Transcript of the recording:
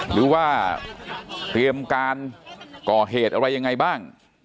หรือว่าเตรียมการก่อเหตุอะไรยังไงบ้าง